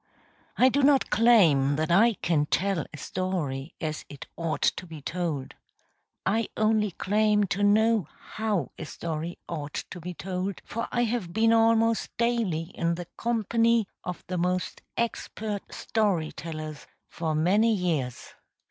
I do not claim that I can tell a story as it ought to be told. I only claim to know how a story ought to be told, for I have been almost daily in the company of the most expert story tellers for many years.